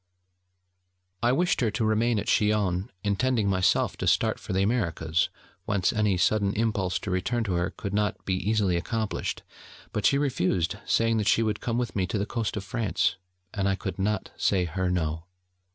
I wished her to remain at Chillon, intending, myself, to start for the Americas, whence any sudden impulse to return to her could not be easily accomplished: but she refused, saying that she would come with me to the coast of France: and I could not say her no.